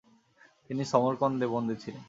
তিনি সমরকন্দে বন্দী ছিলেন।